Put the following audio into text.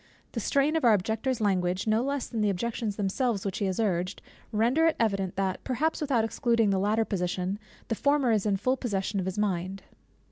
The strain of our Objector's language, no less than the objections themselves which he has urged, render it evident that (perhaps without excluding the latter position) the former is in full possession of his mind.